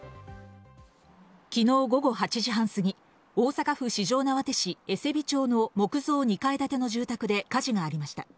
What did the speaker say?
昨日午後８時半すぎ、大阪府四條畷市江瀬美町の木造２階建ての住宅で火事がありました。